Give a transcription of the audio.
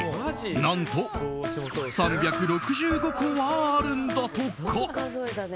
何と３６５個はあるんだとか。